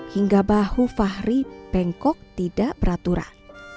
hingga bahu fahri pengkok tidak beraturan